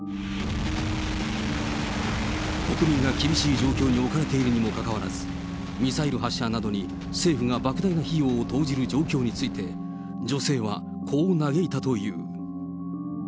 国民が厳しい状況に置かれているにもかかわらず、ミサイル発射などに政府がばく大な費用を投じる状況について、女性はこう嘆いたという。